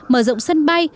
mở rộng sân bay